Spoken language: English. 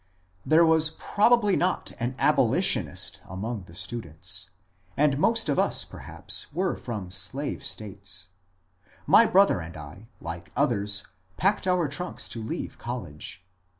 There was probably not an abolitionist among the students, and most of us perhaps were from slave States. My brother and I, like others, packed our trunks to leave college.